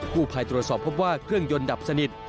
ภายตรวจสอบพบว่าเครื่องยนต์ดับสนิท